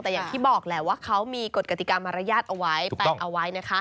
แต่อย่างที่บอกแหละว่าเค้ามีกฎกติกามารยาทเอาไว้